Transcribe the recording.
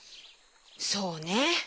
そうね。